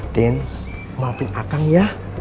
tin maafin akang ya